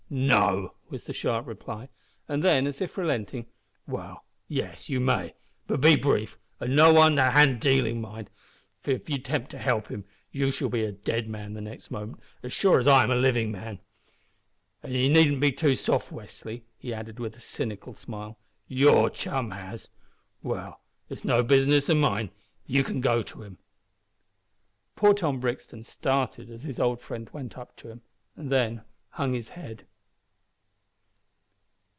"No," was the sharp reply, and then, as if relenting, "Well, yes, you may; but be brief, and no underhand dealing, mind, for if you attempt to help him you shall be a dead man the next moment, as sure as I'm a living one. An' you needn't be too soft, Westly," he added, with a cynical smile. "Your chum has Well, it's no business o' mine. You can go to him." Poor Tom Brixton started as his old friend went up to him, and then hung his head.